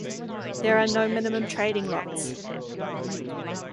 There are no minimum trading lots.